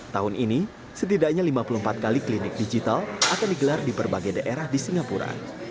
tahun ini setidaknya lima puluh empat kali klinik digital akan digelar di berbagai daerah di singapura